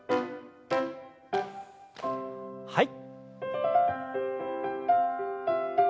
はい。